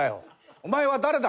お前は誰だ？」。